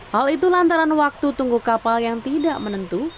hal itu lantaran waktu tunggu kapal yang tidak menentu